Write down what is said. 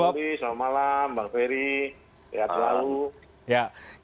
bang doli selamat malam bang ferry sehat selalu